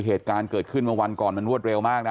เหตุการณ์เกิดขึ้นเมื่อวันก่อนมันรวดเร็วมากนะ